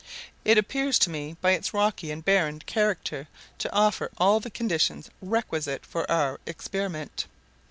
It appears to me by its rocky and barren character to offer all the conditions requisite for our experiment.